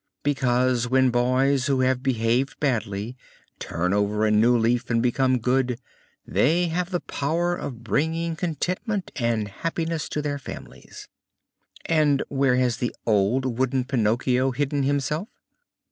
"Because when boys who have behaved badly turn over a new leaf and become good, they have the power of bringing contentment and happiness to their families." "And where has the old wooden Pinocchio hidden himself?"